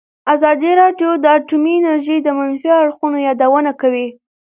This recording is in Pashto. ازادي راډیو د اټومي انرژي د منفي اړخونو یادونه کړې.